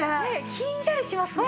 ひんやりしますね。